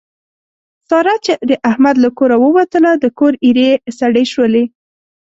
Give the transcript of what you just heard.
ساره چې د احمد له کوره ووتله د کور ایرې یې سړې شولې.